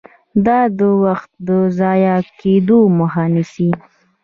دا د وخت د ضایع کیدو مخه نیسي.